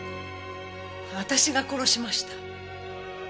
私が殺しました。